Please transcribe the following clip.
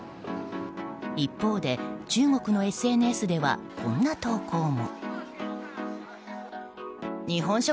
一方で中国のＳＮＳではこんな投稿も。